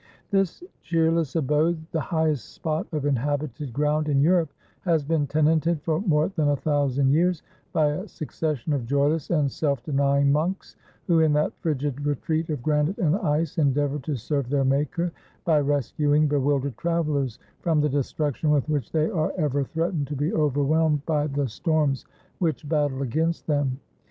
This cheerless abode, the highest spot of inhabited ground in Europe, has been tenanted for more than a thousand years by a succession of joyless and self denying monks, who, in that frigid retreat of granite and ice, endeavor to serve their Maker by rescuing bewildered travelers from the destruction with which they are ever threatened to be overwhelmed by the storms which battle against them.